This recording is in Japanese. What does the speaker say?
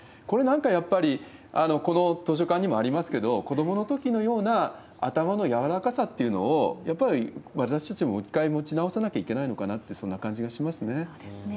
これなんか、やっぱりこの図書館にもありますけど、子どものときのような頭の柔らかさっていうのを、やっぱり私たち、もう一回持ち直さないといけないのかなって、そうですね。